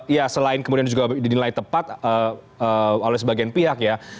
ya selain kemudian didilai tepat oleh sebagian pihak ya